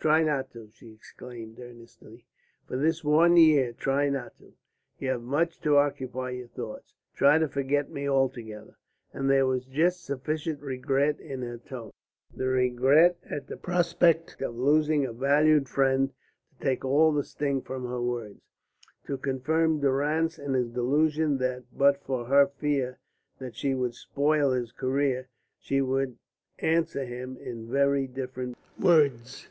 "Try not to," she exclaimed earnestly. "For this one year try not to. You have much to occupy your thoughts. Try to forget me altogether;" and there was just sufficient regret in her tone, the regret at the prospect of losing a valued friend, to take all the sting from her words, to confirm Durrance in his delusion that but for her fear that she would spoil his career, she would answer him in very different words.